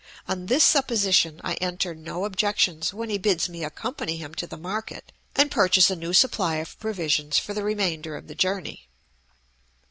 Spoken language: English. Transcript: On this supposition I enter no objections when he bids me accompany him to the market and purchase a new supply of provisions for the remainder of the journey.